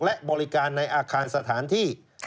และบริการในอาคารสถานที่